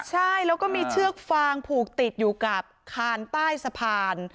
ใช่แล้วก็มีเชือกฟางผูกติดอยู่กับคานใต้สะพาน